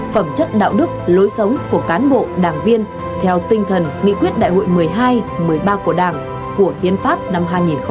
phẩm chất đạo đức lối sống của cán bộ đảng viên theo tinh thần nghị quyết đại hội một mươi hai một mươi ba của đảng của hiến pháp năm hai nghìn một mươi ba